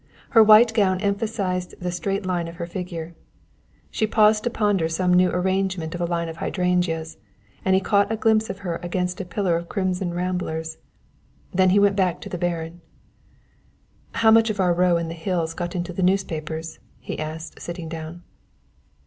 Her white gown emphasized the straight line of her figure. She paused to ponder some new arrangement of a line of hydrangeas, and he caught a glimpse of her against a pillar of crimson ramblers. Then he went back to the Baron. "How much of our row in the hills got into the newspapers?" he asked, sitting down.